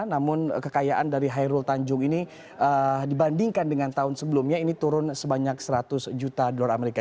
namun kekayaan dari hairul tanjung ini dibandingkan dengan tahun sebelumnya ini turun sebanyak seratus juta dolar amerika